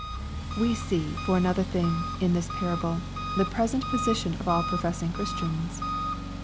We see, for another thing, in this parable, the present position of all prcfessing Christians.